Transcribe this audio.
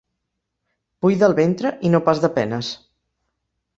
Buida el ventre, i no pas de penes.